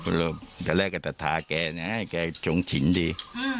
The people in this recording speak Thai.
ก็ตกใจเนี่ยตอนแรกก็จะทาแกเนี่ยให้แกชงชินดี